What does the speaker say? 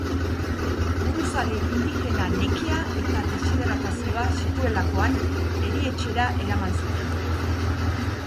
Buruzagi indigena nekea eta deshidratazioa zituelakoan erietxera eraman zuten.